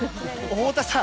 太田さん！